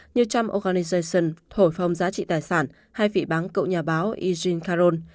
như trump organization thổi phòng giá trị tài sản hay vị bán cậu nhà báo e g caron